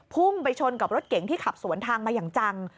พุ่งไปชนกับรถเก๋งที่ขับสวนทางมาอย่างจัง